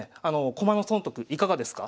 駒の損得いかがですか？